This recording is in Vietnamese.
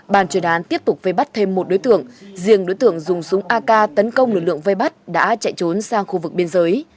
bàn truyền án tiếp tục vây bắt thêm một đối tượng riêng đối tượng dùng súng ak tấn công lực lượng vây bắt đã chạy trốn sang khu vực biên giới